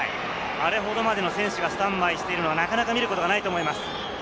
あれほどまでの選手がスタンバイしているの、なかなか見ることはないと思います。